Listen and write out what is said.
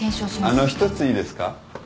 あの一ついいですか。